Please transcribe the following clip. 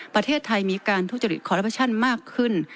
ประเทศไทยมีการทุจริตคอรัปชั่นมากขึ้น